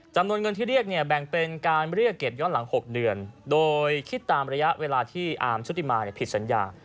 จำนวนเงินที่เรียกเนี่ยแบ่งเป็นการเรียกเก็บย้อนหลัง๖เดือนโดยคิดตามระยะเวลาที่อาร์มชุติมาผิดสัญญา